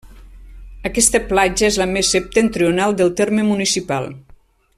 Aquesta platja és la més septentrional del terme municipal.